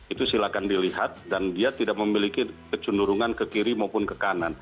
itu silakan dilihat dan dia tidak memiliki kecenderungan ke kiri maupun ke kanan